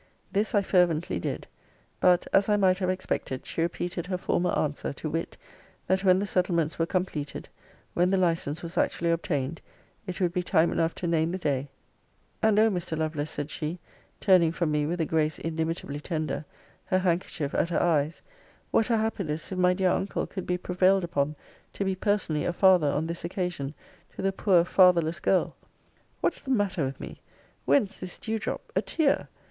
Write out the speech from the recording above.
This I fervently did. But (as I might have expected) she repeated her former answer; to wit, That when the settlements were completed; when the license was actually obtained; it would be time enough to name the day: and, O Mr. Lovelace, said she, turning from me with a grace inimitably tender, her handkerchief at her eyes, what a happiness, if my dear uncle could be prevailed upon to be personally a father, on this occasion, to the poor fatherless girl! What's the matter with me! Whence this dew drop! A tear!